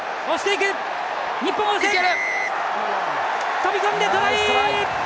飛び込んで、トライ！